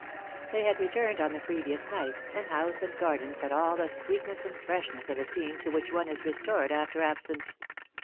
They had returned iate on the previous night, and house and gardens had all the sweetness and freshness of a scene to which one is restored after absence.